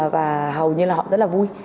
và hầu như là họ rất là vui